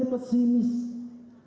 jangan sampai kita ini pesimis